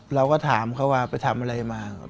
เราก็ถามเขาว่าไปทำอะไรมา